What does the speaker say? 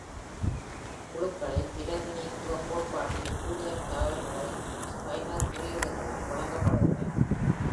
குழுக்களின் பிரதிநிதித்துவ கோட்பாட்டில் கூடுதல் தகவல்கள ஸ்பைனர் குறியீடுகளால் வழங்கப்படுகின்றன.